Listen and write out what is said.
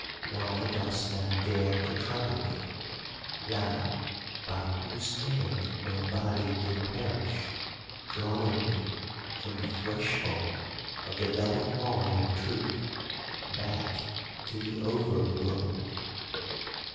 Why dost thou dare to trouble me, thou by whose hand my body did perish, drawing me from the threshold of the Double Hall of Truth, back to the Over World?